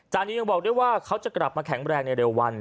นียังบอกด้วยว่าเขาจะกลับมาแข็งแรงในเร็ววัน